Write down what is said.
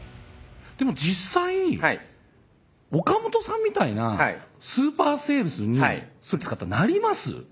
でも実際岡本さんみたいなスーパーセールスにそれ使ったらなります？